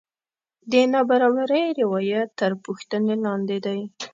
د نابرابرۍ روایت تر پوښتنې لاندې دی.